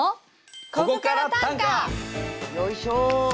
よいしょ！